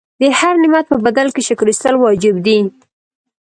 د هر نعمت په بدل کې شکر ایستل واجب دي.